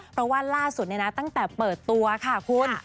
เพราะว่าล่าสุดตั้งแต่เปิดตัวค่ะคุณ